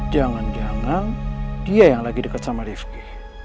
jangan jangan dia yang lagi dekat sama rifki